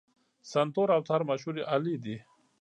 سنتور او تار مشهورې الې دي.